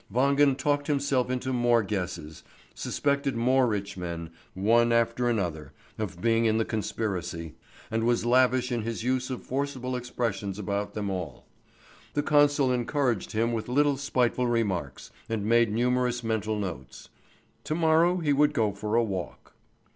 Wangen talked himself into more guesses, suspected more rich men, one after another, of being in the conspiracy, and was lavish in his use of forcible expressions about them all. The consul encouraged him with little spiteful remarks, and made numerous mental notes. To morrow he would go for a walk.